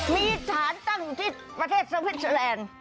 มีฐานตั้งอยู่ที่ประเทศสวิสเตอร์แลนด์